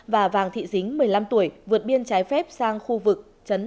và vàng thị dính một mươi năm tuổi vượt biên trái phép sang khu vực